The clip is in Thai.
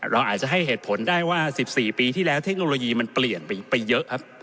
เราอาจจะให้เหตุผลได้ว่า๑๔ปีที่แล้วเทคโนโลยีมันเปลี่ยนไปเยอะครับ